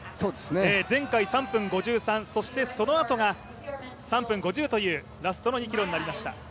前回３分５３、そのあとが３分５０というラスト２ｋｍになりました。